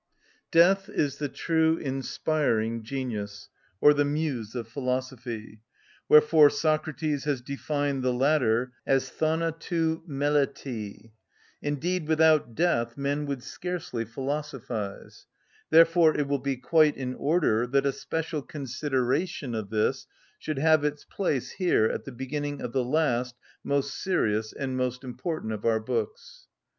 Death is the true inspiring genius, or the muse of philosophy, wherefore Socrates has defined the latter as θανατου μελετη. Indeed without death men would scarcely philosophise. Therefore it will be quite in order that a special consideration of this should have its place here at the beginning of the last, most serious, and most important of our books.